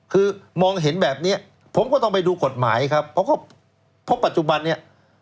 คือมองเห็นแบบนี้ผมก็ต้องไปดูกฎหมายครับเพราะปัจจุบันนี้